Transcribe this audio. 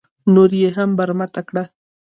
نور یې هم برمته کړه.